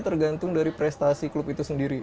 tergantung dari prestasi klub itu sendiri